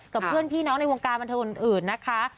กับเพื่อนพี่น้องในวงการบันเทิงอื่นนะคะ